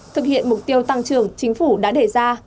thực hiện mục tiêu tăng trưởng chính phủ đã đề ra